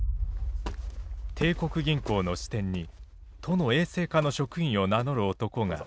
帝国銀行の支店に都の衛生課の職員を名乗る男が現れた。